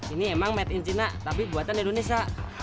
ini emang made in china tapi buatan indonesia